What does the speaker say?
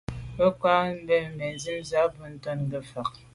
Mə́ cwɛ̌d kwâ’ ncâ bə̀ncìn zə̄ bù bə̂ ntɔ́nə́ ngə́ fâ’.